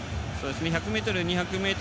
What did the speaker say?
１００ｍ、２００ｍ